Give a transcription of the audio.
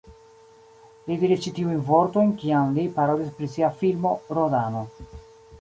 Li diris ĉi tiujn vortojn kiam li parolis pri sia filmo "Rodano".